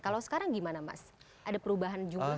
kalau sekarang gimana mas ada perubahan juga